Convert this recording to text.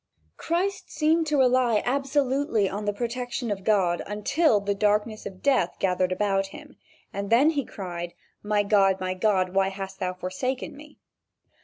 Christ seemed to rely absolutely on the protection of God until the darkness of death gathered about him, and then he cried: "My God! my God! why hast thou forsaken me?"